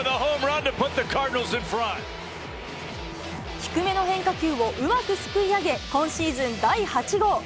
低めの変化球をうまくすくい上げ、今シーズン第８号。